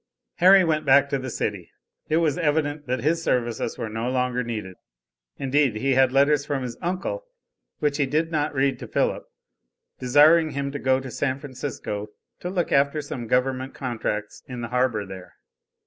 Harry went back to the city. It was evident that his services were no longer needed. Indeed, he had letters from his uncle, which he did not read to Philip, desiring him to go to San Francisco to look after some government contracts in the harbor there.